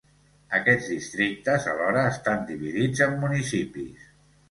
Aquests districtes alhora estan dividits en municipis.